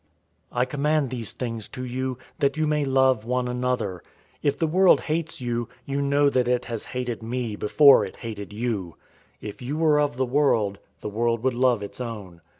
015:017 "I command these things to you, that you may love one another. 015:018 If the world hates you, you know that it has hated me before it hated you. 015:019 If you were of the world, the world would love its own.